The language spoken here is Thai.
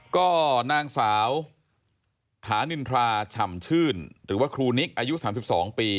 ก็นางสาวถานินทราฉ่ำชื่นหรือว่าครูนิกอายุ๓๒ปี